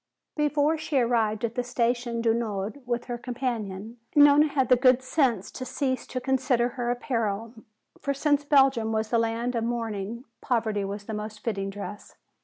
Before she arrived at the Station du Nord with her companion, Nona had the good sense to cease to consider her apparel. For since Belgium was a land of mourning, poverty was the most fitting dress.